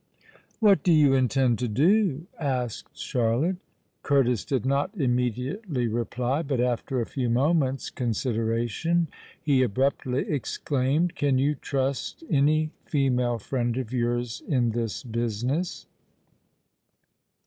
"What do you intend to do?" asked Charlotte. Curtis did not immediately reply; but, after a few moments' consideration, he abruptly exclaimed, "Can you trust any female friend of yours in this business?"